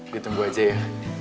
ditunggu aja ya